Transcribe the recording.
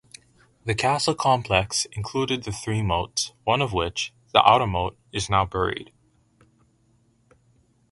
The castle complex included three moats, one of which-the outer moat-is now buried.